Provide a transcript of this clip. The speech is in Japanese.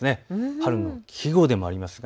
春の季語でもあります。